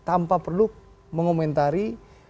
tanpa perlu mengomentari